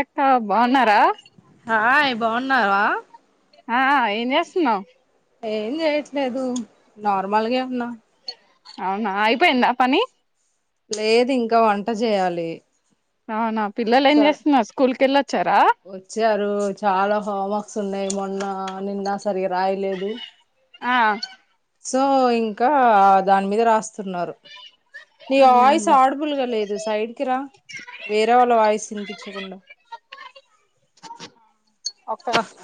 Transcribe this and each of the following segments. ఎక్క బావున్నర అయ్ బాగున్నావ అ అ ఏం జేసున్నావ్ ఏం జేయట్లేదు నార్మల్గ ఉన్న అవున అయిపోయింద పని లేదు ఇంక వంట జెయ్యాలి అవున పిల్లోళ్ళు ఏం చేస్తున్నారు స్కూల్కెళ్ళొచ్చారా స్ ఉన్నాయి మొన్న నిన్న సరిగ్గా రాయలేదు ఆ సో ఇంక దాని మీద రాస్తున్నారు నీ వాయిస్ ఉమ్ ఆడిబుల్గా లేదు సైడ్ కి రా వేరే వాళ్ళ వాయిస్ ఇనిపిచ్చకుండా ఒక్క ప నిమిషం.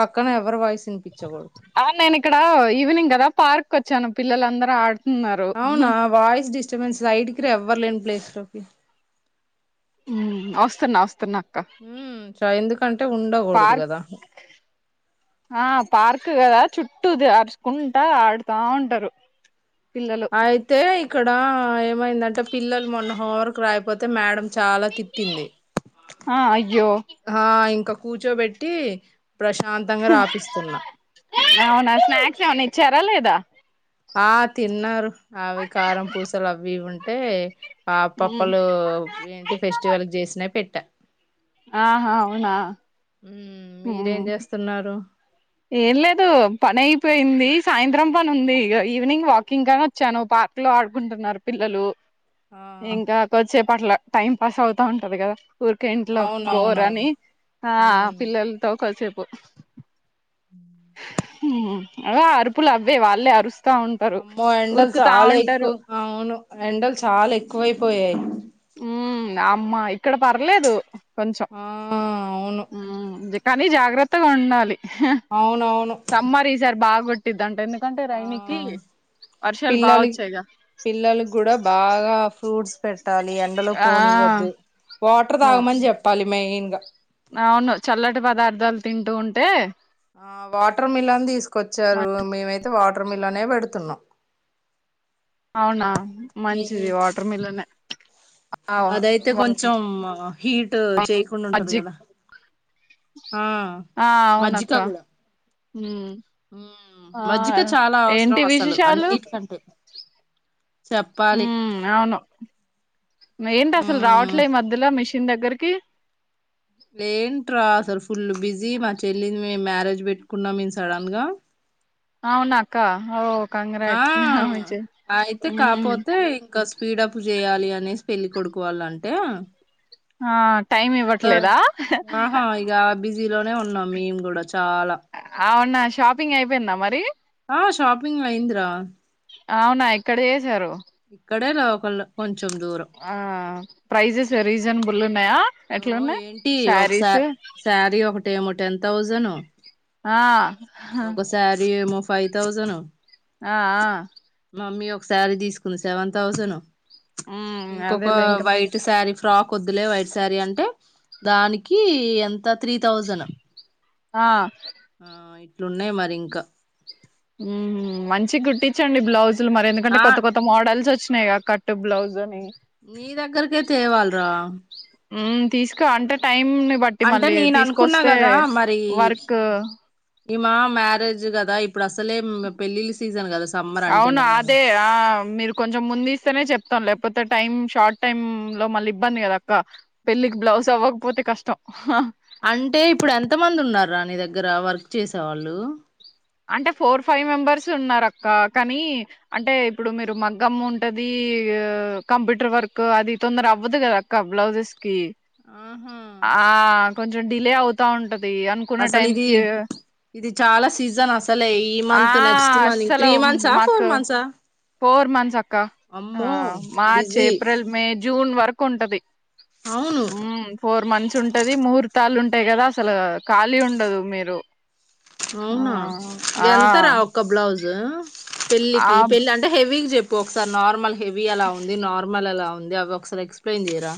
పక్కన ఎవరి వాయిస్ వినిపించకూడదు ఆ నేను ఇక్కడ ఈవినింగ్ గదా పార్ కొచ్చాను పిల్లలందరూ ఆడ్ అవునా వాయిస్ డిస్ స్టబెన్స్ సైడ్ కి రా ఎవ్వర్లేని ప్లేస్ లోకి ఉమ్మ్ వస్తున్న వస్తున్న హ్మ్ చ ఎందుకు పార్ అ పార్క్ గదా చుట్టూది ఆరుచుకుంటా ఆడు తా ఉంటారు పిల్లలు ఐతే క్కడ ఏమైందంటే పిల్లలు మొన్న హోంవర్క్ రాయకపోతే మేడం చాలా తిట్టింది ఆ అయ్యో హా ఇంక కూచోబెట్టి అవునా స్నాక్స్ ఏమన్నా ఇచ్చారా లేదా ఆ తిన్నారు అవి కారం పూసలు అవి ఉన్ టే ఆపప్పలు ఏంటి ఫెస్టివల్ చేసినై పెట్ట ఆహా అవునా ఉమ్మ్ మీరేం చేస్తున్నారు ఏం లేదు పని అయిపోయింది సాయంత్రం పని ఉంది ఇగ ఈవినింగ్ వాకింగ్ కని వచ్చాను పార్క్ లో ఆడుకుంటున్నారు పిల్లలు ఆ ఇంకా కొద్దిసేపు అట్లా టైం పస్ అవుతా ఉంటది కదా ఊరిక ఇంట్లో బోర్ అని అవునవునవును ఆ మ్మ్ పిల్లలతో కొసేపు పు అవే అరుపులు అవ్వే వాళ్ళే అరుస్ అమ్మో ఎండలు చాలా ఎక్కువ అవును ఎండలు చాలే క్ కోయిపోయాయి ఉ అమ్మ ఇక్కడ పర్లేదు కొంచెం ఆ అవును హు జి కానీ జాగ్రత్తగా ఉండాలి అవునవును సమ్మరిసరి బాగో టిదంటేనే ఆ బాగా పిల్లలి వచ్చాయిగా పిల్లలక్కుడా బాగా ఫ్రూట్స్ పెట్టాలి ఎండలో ఆ పోనివద్దు వాటర్ తాగమని చెప్పాలి మెయిన్ గ అవును చల్లటి పదార్థాలు తింటూ ఉంటే ఆ వాటర్ మిలన్ తీస్ కొచ్చారు మేమైత్ వాటర్ మిల్ నే పెడుతున్నాం అవునా మంచిది వాటర్ మిలనే అదయితే కొంచం హీట్ చేయకుండా ఉంటది మజ్జి కదా ఆ మజ్జిగ కూడా హు ఉ మజ్జగా చాలా ఏంటి అవసరం అసలు విశేషాలు అన్నిటికంటే చెప్పాలి ఉమ్ అవును ఏంటసలు మ్మ్ రావట్లే ఈ మధ్యలో మిష్ దగ్గరీకి ఏంట్రా అసలు ఫుల్ బిజీ మా చెల్లిది మేము మ్యారేజ్ పెట్టుకున్నాం మేము సడన్ గా అవునా అక్క ఓ ఆ కంగ్రాట్స్ అయితే ఉమ్ కాపోతే ఇంక స్పీడప్ చేయాలి అనేసి పెళ్ళికొడుకు వాళ్ళంటే ఆ టైమ్ ఇవ్వట్లేదా ఆహా ఇక బిజీలోనే ఉన్నాం మేము కూడా చాలా అవునా షాపింగ్ అయిపోయిందా మరి ఆ షాపింగైంది రా అవునా ఎక్కడ చేశారు ఇక్కడే లోకల్లో కొంచెం దూరం జం బుల్ ఉన్ ఓ ఏంటి ఒకసారి శారీ ఒకటేమో టెన్ థౌజనుూ ఆ ఒక శారి ఏమో ఫైవ్ థౌజనూ అ ఆ మమ్మీ ఒక శారీ తీసుకుంది సెవెన్ థౌజను మ్మ్ ఇంకొక అదేలే ఇంకా వైట్ శారీ ఫ్రాక్ కొద్దులే వైట్ సారీ అంటే దానికి ఎంత త్రీ థౌజను ఆ ఇట్లున్నాయి మరి ఇంక హ్మ్ మంచిగ్ కుట్టించండి బ్లౌజ్ లు మరెందుకంటే ఆ కొత్త కొత్త మోడల్స్ వచ్ చ్చినాయి కట్ బ్లౌజ్ అని నీ దగ్గరకే తేవాళ్రా హ్మ్ తీసుకో అంటే టైం ని బట్టి అంటే మళ్ళీ నేను అనుకున్నా తీసుకొస్తే కదా వర్క్ ఇమా మ్యారేజ్ కదా ఇప్పుడు అసలే పెళ్ళిళ్ల సీజన్ కదా సమ్మర్ అవును అంటేనే అదే ఆ మీరు కొంచెం ముందు ఇస్తేనే చెప్తాం లేప్ పోతే టైమ్ షార్ట్ టైమ్ లో మళ్ళీ ఇబ్బంది కదా అక్క పెళ్ళికి బ్లౌజ్ అవ్వకపోతే కష్టం అంటే ఇప్పుడు ఎంత మంది ఉన్నార్రా నీ దగ్గర వర్క్ చేసేవాళ్ళు అంటే ఫోర్ ఫైవ్ మెంబర్సు ఉన్నారు అక్క కానీ అంటే ఇప్పుడు మీరు మగ్గమ్ ఉంటది కంప్యూటర్ వర్క్ అది తొందర అవ్వదు కదా అక్క బ్లౌజెస్ కి ఆహా ఆ కొంచెం డిలే అవుతా ఉంటది అనుకున్న అసలు టైం ఇది కి ఇది చాలా సీజన్ అసలు తలే ఈ ఆ మంత్ నెక్స్ట్ మంత్ అస్సలు త్రీ మంత్స్ ఆ ఫోర్ మాకు మంత్సా ఫోర్ మంత్స్ అక్క ఆ అమ్మో March busy April May June June వరకు ఉంటది అవును హ్మ్ ఫోర్ మంత్స్ ఉంటది ముహుర్తాలు ఉంట తే కదా అసలు ఖాళీ ఉండదు మీరు అవునా ఆ ఆ ఎంతరా ఒక్క బ్లౌజ్ పెళ్ళి కి ఆ పెళ్లి అంటే హెవీగ చెప్ బ్ ఒకసారి నార్మల్ హెవీ ఎలా ఉంది నార్మల్ ఎలా ఉంది ది అవి ఒకసారి ఎక్స్ప్లెన్ చేయరా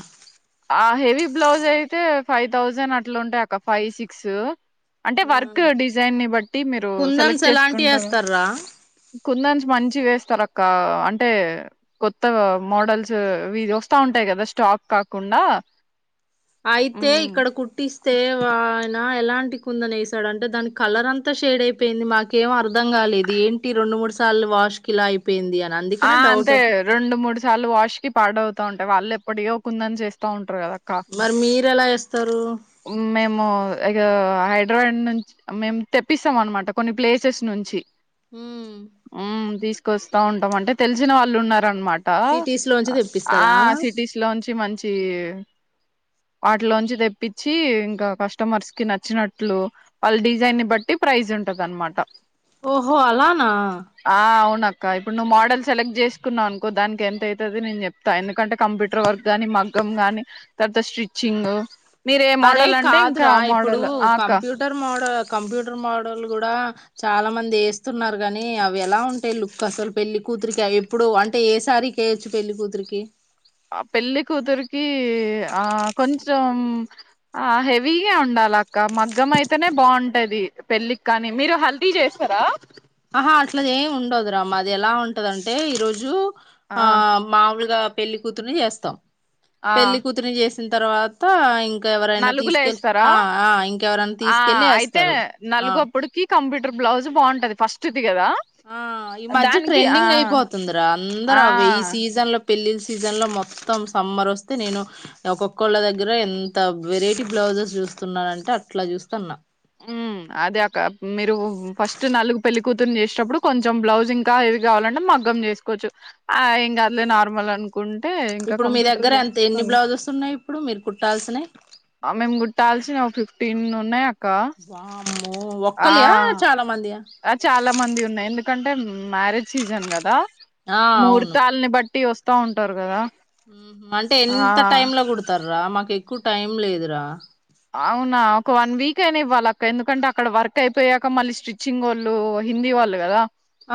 ఆ హెవీ బ్లౌజ్ అయితే ఫైవ్ థౌజండ్ అట్లా ఉంటాయి అక్క ఫైవ్ సిక్స్ అంటే వర్క్ డిజైన్ ని బట్టి మీరు కుందన్స్ సెలెక్ట్ ఎలాంటివి చేసుకుంటారు వేస్తార్రా కుంద మంచి వేస్తారు అక్క అంటే కొత్త మోడల్స్ ఇ వస్తా ఉంటాయి కదా స్టాక్ కా కుండా అయితే ఇక్కడ కుట్టిస్తే వా ఎలాంటి కుందని వసాడు అంటే దాని కలర్ అంతా షేడ్ అయిపోయింది మాకేం అర్థం కాలేదు ఏంటి రెండు మూడు సార్లు వాష్ కి ఇలా అయిపోయింది అ ఆ అంతే రెండు మూడు చాలా వాష్ కి పాడవుతా ఉంటయిళ్ళు ఎప్పుటి ఇో కుందని చేస్తా ఉంటారు కదా అక్క మరి మీరు ఎలా వేస్తారు మేము ఇ హైదరాబాద్ నుంచి మేము తెప్పిస్తాం అనమాట కొన్ని ప్లేసెస్ నుంచి ఉమ్ వస్తా ఉంటాం అంటే తెలిసిన వాళ్ళు ఉన్నారుారనమాట సిటీస్ అట లోంచి ఆ తెప్పిస్తారా సిటీస్ లోంచి మంచి వాటిలోంచి తె ఇప్పించి ఇంకా కస్టమర్స్ కి నచ్చినట్లు వాళ్ళ డిజైన్ బట్టి ప్రైజ్ ఉంటది అనమాట ఓహో అలానా అక్క ఇప్పుడు నువ్వు మోడల్ సెలెక్ట్ చేసుకున్నావు అనుకో దానికి ఎంత అవుతుందిో నేను చెప్తా ఎందుకంటే కంప్యూటర్ వర్క్ గాని మగ్గం గాని తర్వాత స్టిచ్చింగ్ మీరు ఏ అరే మోడల్ అంటే ఇంకా కాదురా ఆ ఇప్పుడు మోడల్ ఆ అక్క కంప్యూటర్ మోడల్ కంప్యూటర్ మోడల్ కూడా చాలా మంది వేస్తున్నారు కాని అవి ఎలా ఉంటాయి లుక్ అసలు పెళ్లి కూతురికి ఎప్పుడు అంటే ఏసారికి వయొచ్చు పెళ్లి కూతురికి ఆ పెళ్లి కూతురికి ఆ కొంచెం ఆ హెవీగా ఉండాలి మగ్ం అైతేనే బాగుంటది పెళ్ళికి కానీ మీరు హల్దీ చేస్తారా ఆహా అట్లా ఏమి ఉండదురా మాది ఎలా ఉంటదంటే ఈ రోజు ఆ మాములుగా పెళ్లి కూతుర్ని చేస్తాం ఆ పెళ్లి కూతుర్ని చేసి వచ్చిన తర్వాత ఇంకా ఇంకా ఎవరైనా నలుగులు తీసుకెళ్ వేస్తారా ఆ ఆ ఇంకెవరైనా ఆ తీసుకెళ్ళి అయితే వేస్తారు ఆ నలుగు అప్పుడుకి కంప్యూటర్ బ్లౌజ్ బాగుంటుది ఫస్ట్ ఆ ఈ మధ్య ఆ ట్రెండింగ్ అయిపోతుందిరా అందరు ఆ అ ఈ సీజన్ లో పెళ్లిిలి సీజన్లో మొత్తం సమ్మర్ వస్తే నేను ఒక్కొక్కళ్ళ దగ్గర ఎంత వెరైటీ బ్లౌజెస్ చూస్తున్నానంటే అట్లా చూస్తా అన్న అదే అ మీరు ఫస్ట్ నాలుగు పెళ్లిి కూతుర్ని చేసేటప్పుడు కొంచెం బ్లౌజ్ ఇంకా ఏది కావాలంటే మగ్గం చేసుకోవచ్చు ఆ ఏంకా అదులే నార్మల్ అను కుంటే ఇంకా ఇప్పుడు మీ కంప్యూటర్ దగ్గర ఎంత ఎన్ని చేసేస్తుంది బ్లౌజెస్ ఉన్నాయి ఇప్పుడు మీరు కుట్టాల్సినవి మేము గుట్టాల్సిిన టెన్ ఉన్నాయి ఆ వామ్ ఆ ఆ చాలా మంది ఉన్నాయి ఎందుక ఎందుకంటే మ్యారేజ్ సీజన్ కదా ఆ మూర్తాాలని బట్టి వస్ వస్తా ఉంటారు కదా ఉమ్ హమ్ అంటే ఆ ఎంత టైమ్ లో కుడతార రా మాకు ఎకు టైం లేదురా అవునా ఒక వన్ వీక్ అయినా ఇవ్వాలి అక్క ఎందుకంటే అక్కడ వర్క్ అయిపోయాక మళ్ళీ స్టిచ్చింగ్ వాళ్ళు హిందీ వాళ్ళు కదా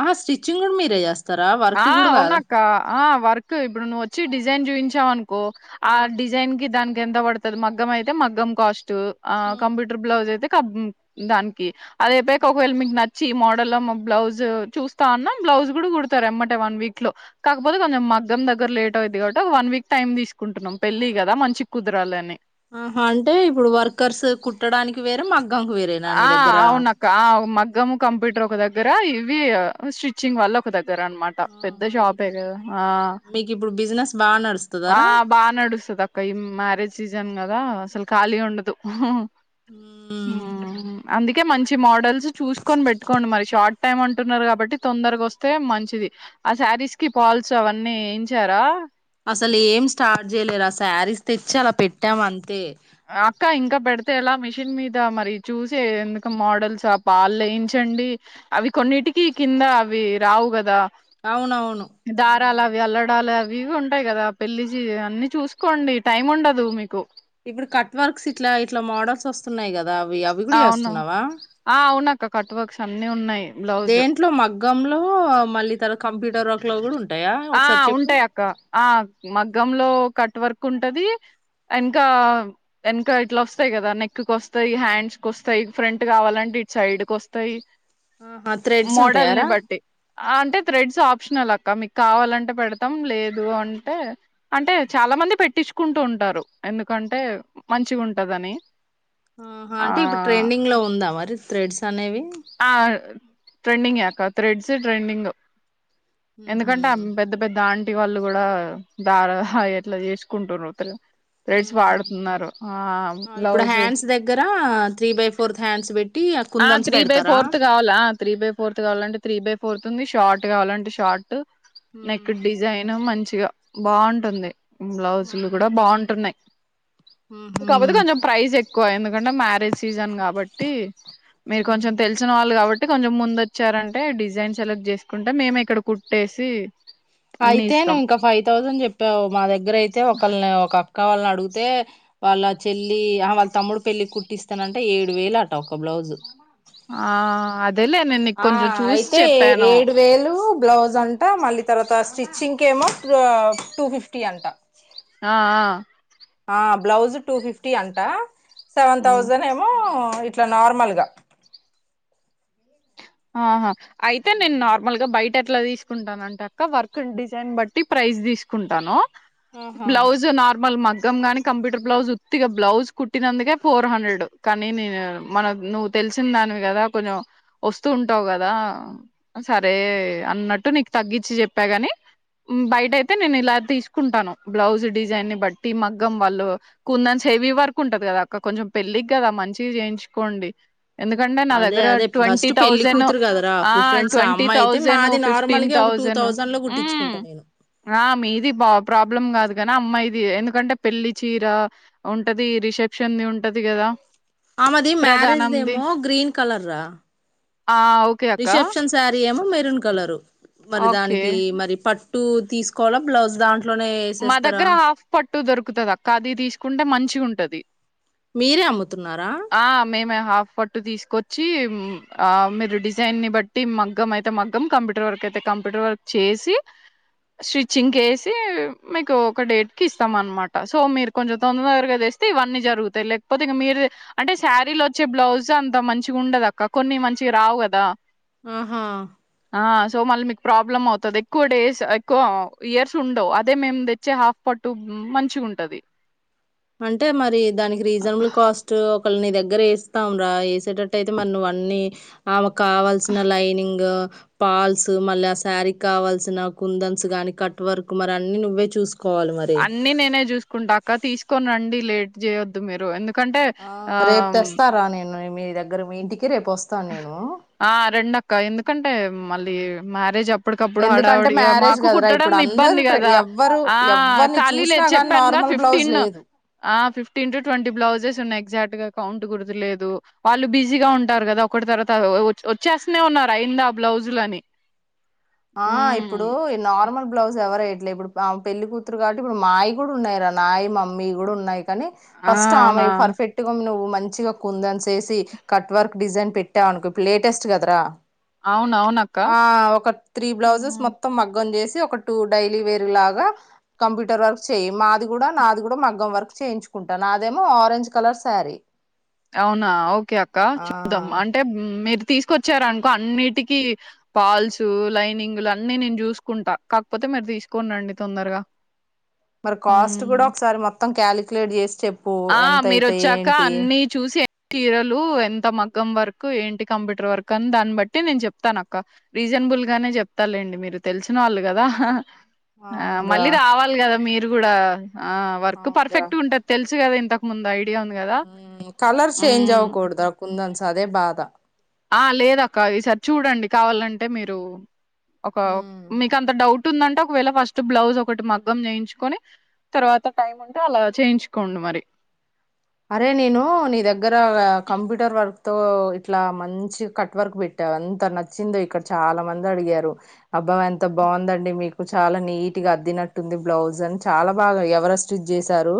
ఆా స్టిచింగ్ కూడా మీరేస్త ఆ ఉన్నాక్క ఆ వర్క్ ఇప్పుడు ను వచ్చి డిజైన్ చూయిించ చావ్ ఆ కో ఆ డిజైన్ కి దాని ఎింత పడుతుంది మగ్గం అయితే మగ్ం కాస్ట్ ఆ మ్మ్. కంప్యూటర్ బ్లౌస్ అయితే కం దానికి అది అయితే కా ఒకవేళ మీకు నచ్చి మోడల్ బ్లౌజ్ చూస్తా ఉన్నా బ్లౌజ్ కూడా తార్ మ్మటే వన్ వీక్ లో కాకపోతే కొంచెం మగ్గం దగ్గర లేట్ అవుది కాబట్టి వన్ వీక్ టైమ్ తీసుకుంటున్నాం పెళ్లిి కదా మంచి కుదరాలిని ఆహా అంటే ఇప్పుడు వర్కర్స్ కుట్టడానికి వేరే మగ్ ఆ అవున అక్క ఆ మగమ్ కంప్యూటర్ ఒక ఒకదగ్ దగ్గర ఇవి స్టిచ్చింగ్ వల్ల ఒక దగ్గ ర్ నమాట పెద్ద ఆహా ఇ- షాపే కదా మీకు ఇప్పుడు బిజినెస్ బాగా నడుస్తదారా బా నడుస్తుంది అక్క ఈ మ్యారేజ్ సి జన్ కదా అసలు ఖాళీ ఉండదు హమ్ హ్మ్ అందుకే మంచి మోడల్స్ చూసుకొని పెట్టుకోండి మరి షార్ట్ టైమ్ అంటున్నారు కాబట్టి తొందరగా వస్తే మంచిది ఆ శారీస్ కి పాల్స్ అవన్నీ వయించారా అసలు ఏం స్టార్ట్ చేయలేరా శారీస్ తెచ్చి అలా పెట్టాం అంతే అక్క ఇంకా పెడితే ఎలా మిషిన్ మీద మరి చూసే ఎందుకు మోడల్స్ ఆ పాలు వేయించండి అవి కొన్నిటికిీ కింద అవి రావు కదా అవునవును దారాల మ్మ్. అవి అల్లడాల అ వివిగా ఉంటాయి కదా పెళ్లిి అన్ని చూసుకోండి టైమ్ ఉండదు మీకు ఇప్పుడు కట్ వర్క్స్ ఇట్లా ఇట్లా మోడల్స్ వస్తున్నాయి కదా అవి అవి కూడా అవును చేస్తున్నావా ఆ అవున అక్క కట్ వర్క్స్ అన్నిీ ఉన్నాయి బ్లౌజ్ దేంట్లో మగ్గంలో మళ్ళీ తర్వాత కంప్యూటర్ వర్క్ లో కూడా ఉంటాయా ఆ ఒకసారి చెప్పు ఉంటాయి అక్క ఆ మగ్గంలో కట్ ట్ వర్క్ ఉంటది ఎనకా ఎనకా ఇట్లా వస్తాయి కదా నెక్ క వస్తాయి హ్యాండ్స్ కి వస్తాయి ఫ్రంట్ కావాలంటడి ఇ సైడ్కి వస్తాయి ఆహా థ్రెడ్స్ మోడల్ని ఉంటాయారా బట్టి అంటే థ్రెడ్స్ ఆప్షనల్ అ ఇకా మీకు కావాలంటే పెడతాం లేదు అంటే అంటే చాలా మంది పెట్టించుకుంటూ ఉంటారు ఎందుకంటే మంచిగా ఉంటదని. ఆహా ఆ అంటే ఇప్పుడు ట్రెండింగ్ లో ఉందా మరి థ్రెడ్స్ అనేవి ఆ ట్రెండింగ్క థ్రెడ్స్ ట్రెండింగ్ ఎందుకంటే ఆ ఉహు పెద్ద పెద్ద అంట ఇటి వాళ్ళు కూడా దార ఎట్లా చేసుకుంటున్నారుతలు ఇప్పుడు బ్లౌజ్ హ్యాండ్స్ దగ్గర త్రీ బై ఫోర్ హ్యాండ్స్ పెట్టి. ఆ కుందన్స్ త్రీ బై పెడతారా ఫోర్త్ కావాలా త్రీ బై ఫోర్త్ కావాలంటే త్రీ బై ఫోర్త్ ఉ. షార్ట్ కావాలంటే షార్ట్ నెక్ ఉమ్, డిజైన్ మంచి మంచిగా బాగుంటుంది బ్లౌజులు కూడా అవునా. బాగుంటున్నాయి ఊహు. కాపోతే కొంచెం ప్రైస్ ఎక్కు. ఎకు ఎందుకంటే మ్యారేజ్ సీజన్ కాబట్టి మీరు ఉమ్. కొంచెం తెలిసిన వాళ్ళు కాబట్టి అే కొంచం ముందు వచ్చారంటే డిజైన్ సెలెక్ట్ చేసుకుంటే మేము ఇక్కడ కుట్టేసి. అన్ని అయితే ఇస్తాం నువ్వు ఇంకా ఫైవ్ థౌజండ్ చెప్పావు మా దగ్గర అయితే ఒకళని ఒక అక్క వాళ్ళని అడుగు. అతే వాళ్ళ చెల్లి ఆ వాళ్ళ తమ్ముడు పెళ్ళి కుట్టిస్తానంటే ఏడు వేలు అట ఒక బ్లౌజు. ఆ అదేలే నేను నీకు కొంచెం చూసి చెప్పాను జంటా మాల తర్వాత స్టిచ్చింగ్ క ఏమో టూ ఫిఫ్టీ అంట ఆ ఆ ఆ బ్లౌజు టూ ఫిఫ్టీ అంట సెవెన్ హ్మ్ థౌసండ్ ఏమో ఇట్లా నార్మల్గా ఆహా అయితే నేను నార్మల్ గా బయట ఎట్లా తీసుకుంటాను అంటే అక్క వర్క్ డిజైన్ బట్టి ప్రైజ్ తీసుకుంటాను. ఆహా బ్లౌజ నార్మల్ మగ్ గాని కంప్యూటర్ బ్లౌజ్ ఉత్తిగా బ్లౌజ్ కుట్టినందుకే ఫోర్ హండ్రెడ్ కానీ నేను మన నువ్వు తెలిసిన దానివి కదా కొంచెం వస్తు. వస్తుంటావు కదా సరే అన్నట్టు నీకు తగ్గించి చెప్పాగాని బయట అయితే నేను ఇలా తీసుకుంటాను బ్లౌజ్ డిజైన్ని ని బట్టి మగ్గం వాళ్ళు కుందస్ హెవీ వర్క్ ఉంటది కదా అక్క కొంచెం పెళ్ళికి కదా మంచిగా చేయించుకోండి. ఎందుకంటే నా అదే దగ్గర అదే ట్వంటీ ఫస్ట్ పెళ్లి తౌసాండ్ కూతురు కదరా ప్రిఫరెన్స్ ఆ ట్వంటీ అమ్మాయి అయితే తౌసాండ్ మాది ఫిఫ్టీన్ నార్మల్గా ఒక టూ థౌజండ్ లో కుట్టించుకుంటా నేను తౌసన్మీది హా ప్రాబ్లం కాదు కానీ అమ్మాయి ఇది ఎందుకంటే పెళ్లి చీర ఉంటది రిసెప్షన్ ని ఉంటది కదా ఆమది మరేజ్ ప్రధానంది దేమో గ్రీన్ కలర్ రా ఆ ఓకే అక్క రిసెప్షన్ శారీ ఏమో మెరూన్ కలరు మరి ఓకే దానికి మరి పట్ టు తీసుకోవాల బ్లౌజ్ దాట్ మా దగ్గర హాఫ్ పట్టు దొరుకుతుంది అక్క అది తీసుకుంటే మంచి ఉంటది మీరే అమ్ముతున్నారా ఆ మేమే హాఫ్ ఫట్టు తీసుకొ చ్చి మీరు డిజైన్ని ని బట్టి మగ్గం అయితే మగ్గం కంప్యూటర్ వర్క్ అయితే కంప్యూటర్ వర్క్ చేసి స్టిచ్చింగ్ ఏసి మీకు ఒక డేట్ కి ఇస్తాం అనమాట సో మీరు కొంచెం తొందర దగ్రగా తెస్తే ఇవన్నీ జరుగుతాయి లేకపోతే ఇక మీరు అంటే శారీలు వచ్చే బ్లౌజ్ అంత మంచి ఉండదు అక్క కొన్ని మంచిగా రావు కదా ఆహా ఆ సో మళ్ళీ మీకు ప్రాబ్లమ్ అవుతుంది ఎక్కువ డేస్ ఎక్కువ ఇయర్స్ ఉండవు అదే మేము తెచ్చే హాఫ్ పట్టు మంచి ఉంటది అంటే మరి దానికి రీజనబుల్ కాస్ట్ ని దగ్గర వేస్తాం గ వేసేటట్టు అయితే మన నువవన్నీ ఆమె కావాల్సిన లైనింగ్ పాల్స్ మళ్ళీ ఆ శారీ కావాల్సిన కుందన్స్ గానీ కట్ వర్క్ మరి అన్ని నువ్వే చూసుకు అన్ని నేనే చూసుకుంటాక తీసుకొని రండి లేట్ జయ ఉద్దు మేరు ఎందు ఆ రేపు తెస్తారా నేను మీ దగ్గర మీ ఇంటికి రేపు వస్తాను నేను ఆ రెండక్క ఎందుకంటే మళ్ళీ మ్యారేజ్ అప్పటికప్పుడు ఎందుకంటే హడావుడిగా మ్యారేజ్ మాకు కదరా కుట్టడం ఇప్పుడు అందరు ఇబ్బంది ట్రై కదా ఎవ్వరు ఆ ఎవ్వరిని ఖాళీ చూసినా లేదు గాని చెప్పానుగా నార్మల్ బ్లౌజ్ ఫిఫ్టీన్ లేదు ఆ ఫిఫ్టీన్ టు ట్వంటీ బ్లౌజెస్ ఉన్నాయి ఎగ్జాక్ట్ గా కౌంట్ గుర్తులేదు వాళ్ళు బిజీగా ఉంటారు కదా ఒకటి తర్వాత వచ్చేస్తనే ఉన్నారు అయిందా ఆ బ్లౌజులు అని ఆ ఇప్పుడు ఈ నార్మల్ బ్లౌజ్ ఎవరై ఇ ఇప్పుడు ఆ పెళ్లి కూతురు కాబట్టి ఇప్పుడు మాయి కూడా ఉన్నాయిరా నాయి మమ్మీ కూడా ఉన్నాయి కానీ ఆ ఫస్ట్ అవునా ఆమెయి పర్ఫెక్ట్ గా నువ్వు మంచిగా కుందన్స్ వేసి కట్వర్క్ డిజైన్ పెట్టావు అనుకో ఇప్పుడు లేటెస్ట్ కదరా అవును అవున అక్క ఆ ఒక త్రీ బ్లౌజెస్ మొత్తం మగ్గం చేసి ఒక టూ డైలీ వేర్ లాగా కంప్యూటర్ వర్క్ చేయి మాది కూడా నాది కూడా మగ్గం వర్క్ చేయించుకుంటాను నదేమో ఆరెంజ్ కలర్ శారీ అవునా ఓకే అక్క ఆ చెప్పుదాం అంటే మీరు తీసుకొచ్చార అనుకో అన్నిటికిీ పాల్స్ లైనింగులు అన్నిీ నేను చూసుకుంటా కాకపోతే మీరు తీసుకోని రండి తొందరగా మరి కాస్ట్ హ్మ్. కూడా ఒకసారి మొ కాలిక్యలేట్ చేసి చెప్ప ఆ మీరు వచ్చాక అన్ని చూసి చీరలు ఎంత మగ్గం వర్క్ ఏంటి కంప్యూటర్ వర్క్ అని దాన్ని బట్టి నేను చెప్తాను అక్క రీజనబుల్ గానే చెప్తా లేండి మీరు తెలిసిన వాళ్ళు కదా ఆ అవునరా మళ్ళీ రావాలి కదా మీరు కూడా ఆ వర్క్ అవునరా పర్ఫెక్ట్ ఉంటది తెలుసు ఇంతకు ముందాయితే కలర్ చేేంజ్ ఆవకూడదు కుందన్స్ అదే బాధ ఆ లేదు అక్క ఈసారి చూడండి కావాలంటే మీరు ఒక మీకు అంత డౌట్ డౌట్ ఉంటుందంటే ఒకవేళ ఫస్ట్ బ్లౌజ్ ఒకటి మగ్గం చేయించుకొని తర్వాత టైమ్ ఉంటే అలా చేయించుకోండి మరి అరే నేను నీ దగ్గర కంప్యూటర్ వర్క్ తో ఇట్లా మంచి కట్వర్క్పెట్టావు ఎంత నచ్చిందో ఇక్కడ చాలా మంది అడిగారు అబ్బా ఎంత బాగుందండి మీకు చాలా నీట్ గా అద్దినట్టుంది బ్లౌజ్ అని చాలా బాగా చేశారు ఎవరు స్టిచ్ చేశారు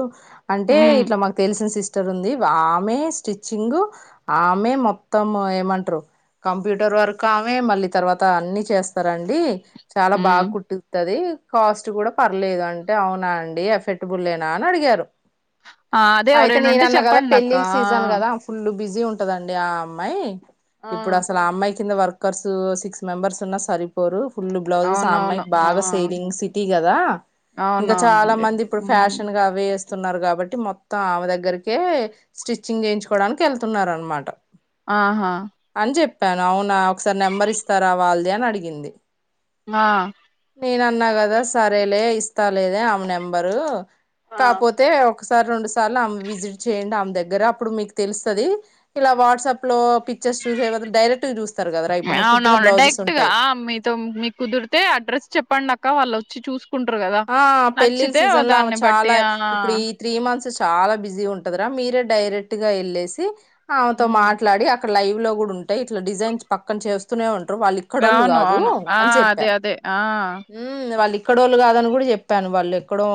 అంటే ఉమ్ ఇట్లా మకు తెలిసిన సిస్టర్ ఉంది ఆమె స్టిచ్చింగ్ ఆమె మొత్తం ఏమంటారు కంప్యూటర్ వరకు ఆమె మళ్ళీ తర్వాత అన్ని చేస్తారంండి చాలా ఉమ్ బాగా కుట్టితుంది కాస్ట్ కూడా పర్లేదు అంటే అవునా అండి ఎఫెర్టబుల్నా అని అడిగారు ఆ అదే అయితే ఎవరైనా నేన ఉంటే అన్నా కదా చెప్పండి అక్క పెళ్ళిళ్ళ సీజన్ కదా ఫుల్ బిజీ ఉంటదండి ఆ అమ్మాయి ఆ ఇప్పుడు ఆ, అసలు అమ్మాయికి కింద వర్కర్స్ సిక్స్ మెంబార్స్ ఉన్నా సరిపోరు ఫుల్లు బ్లౌజెస్ ఆ అవునవును అమ్మాయికి ఆ బాగా సేలింగ్ సిటీ కదా ఇంకా చాలా అవునవునండి మంది ఇప్పుడు ఉమ్ ఫ్యాషన్ గా అవే స్తున్నారు కాబట్టి మొత్తం త ఆమె దగ్గరికే స్టిచ్చింగ్ చేయించుకోవడానికి వెళ్తున్న అనమాట ఆహా అని చెప్పాను అవునా ఒకసారి నెంబర్ ఇస్తారా వాళ్ళది అని అడిగింది ఆ నేన అన్నా కదా సరేలే ఇస్తా లేదే ఆమె నెంబరు ఆ. కాపోతే ఒక సారి విజిట్ చేయండి ఆమె దగ్గర అప్పుడు మీకు తెలుస్తది ఇలా వాట్సాప్ లో పిక్చర్స్ చూసే బదులు డైరెక్ట్ గా చూస్తారు కదరా ఇప్పుడు నువ్వు కుట్టిన అవునవును బ్లౌజెస్ డైరెక్ట్గా ఉంటాయి మీతో మీ కుదిరితే అడ్రస్ చెప్పండి అక్క వాళ్ళు వ చచ్చ చూసు ఆ పెళ్ళిళ్ళ సీజన్ లో ఆమె బట్టి చాలా ఆ ఇప్పుడు ఈ త్రీ మంత్స్ చాలా బిజీ ఉంటదిరా మీరే డైరెక్ట్ గా వెళ్ళేసి అమేతో ఉమ్ మాట్లాడి అక్క ఇక్కడ లైవ్ లో కూడుంటాయి ఇట్లా డిజైన్స్ పక్కన చేస్తూనే ఉంన్ వాళ్ళు ఇక్కడోళ్ళు అవును. కాదు అవును. ఆ! అని చెప్పా అదే. అదే. ఆ! ఉమ్ వాళ్ళ. ఇక్కడోళు కాదాను. చెప్పాను వాళ్ళు ఎక్కడో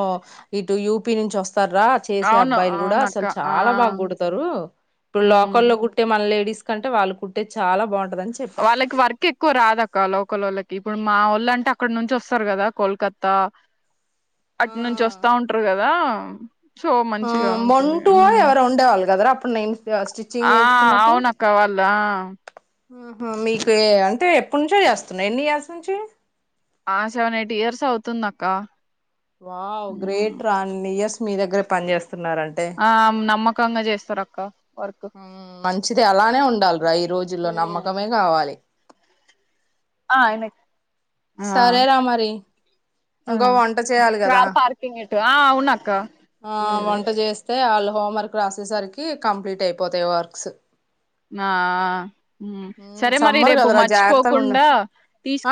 ఇటు యూపీ నుంచి వస్త. స్తార చేసే అవును. అబ్బాయిలు కూడా అవునక్క. అసలు ఆ! చాలా బాగా కుడతారు. ఇప్పుడు హ్మ్. లోకల్లో కుట్టే మన లేడీస్ కంటే వాళ్ళు కుట్టేది చాలా బాగుంట వాళ్ళకి వర్క్ ఎక్కువ రాదక్క లోకలోళ్ళకి. ఇప్పుడు మా ఒళ్ళ అంటే అక్కడ నుంచి వస్తారు కదా కోల్కత్తా. అటు నుంచి వస్తా ఉంటారు కదా. అవును. ఆహ్ మంటో ఎవరో ఉండేవాళ్ళు కదరా అప్పుడు నేను స్టిచ్చింగ్ ఆ! చేయించుకున్నప్పుడు. అవునక్క. వాళ్ళు ఆ! ఆహా మీ పేరు అంటే ఎప్పుడు నుంచో చేస్తున్నార ఎన్ని ఇయర్స్ నుంచి. ఆహ్ సెవెన్ ఎయిట్ ఇయర్స్ అవుతుంది అక్క. వావ్ గ్రేట్ రా అన్ని ఇయర్స్. మీ దగ్గర పని చేస్త్ వస్తున్నారంటే. చక్కంగా చేస్తారు అక్క. మంచిది అలానే ఉండాలిరా. ఈ రోజుల్లో నమ్మకమే కావాలి. ఆహ్ ఎక్. సరేరా మరి ఆ! ఇంకో వంట చేయాలి కదా. కార్ పార్కింగ్ ఇటు. ఆ! అవునక్క. ఆహ్ హ్మ్. వంట చేస్తే వాళ్ళు. హోంవర్క్ రాసేసరికి కంప్లీట్ అయిపోతాయి వర్క్స్. ఆహ్. ఉమ్ సమ్మర్ కదరా జాగ్రత్తగా ఉండు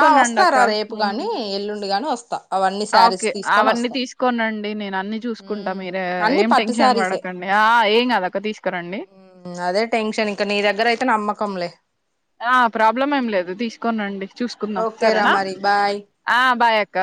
ఆహ్ అక్క వస్తారా రేపు ఉమ్. కాని ఎల్లుండి గాని వస్త్. వస్తా. అవన్నీ శారీస్ ఓకే తీసుకొని అవన్నీ వస్తా తీసుకోనండి నేను అన్నిీ చూసుకుంటా మీరే అన్ని ఏం పట్టు టెన్షన్ శారీసే పడకండి ఆ ఏం కదక తీసుకురండి కముమ్లే. ఆహ్ ప్రాబ్లం ఏం లేదు తీసుకోనిరండి. చూసుకుందాం ఓకే రా సరేనా మరి బాయ్ ఆహ్ బాయ్. అక్క.